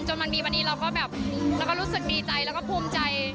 มันมีวันนี้เราก็แบบเราก็รู้สึกดีใจแล้วก็ภูมิใจ